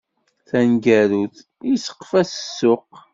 Taneggarut, iseqqef-as s ssuq.